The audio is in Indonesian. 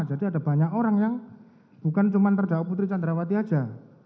jadi ada banyak orang yang bukan cuma terdakwa putri sandrawati saja